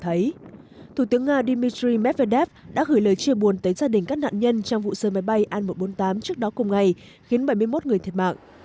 thủ tướng nga dmitry medvedev đã gửi lời chia buồn tới gia đình các nạn nhân trong vụ rơi máy bay an một trăm bốn mươi tám trước đó cùng ngày khiến bảy mươi một người thiệt mạng